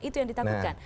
itu yang ditakutkan